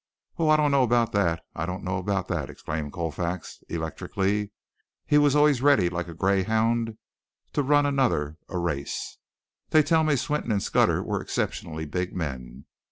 "I don't know about that! I don't know about that!" exclaimed Colfax electrically. He was always ready like a greyhound to run another a race. "They tell me Swinton and Scudder were exceptionally big men.